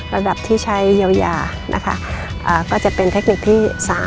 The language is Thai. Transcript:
ระดับที่ใช้เยียวยานะคะก็จะเป็นเทคนิคที่๓